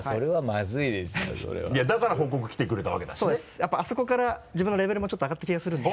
やっぱりあそこから自分のレベルもちょっと上がった気がするんで。